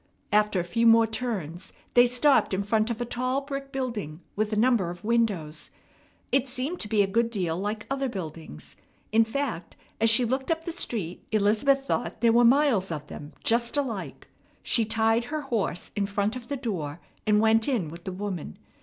After a few more turns they stopped in front of a tall brick building with a number of windows. It seemed to be a good deal like other buildings; in fact, as she looked up the street, Elizabeth thought there were miles of them just alike. She tied her horse in front of the door, and went in with the woman.